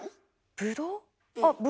ブドウ？